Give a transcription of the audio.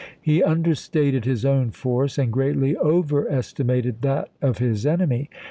He understated his own force ibid.fP.885. and greatly overestimated that of his enemy.